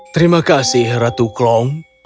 terima kasih ratu klong